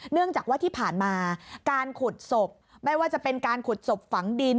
เนื่องจากว่าที่ผ่านมาการขุดศพไม่ว่าจะเป็นการขุดศพฝังดิน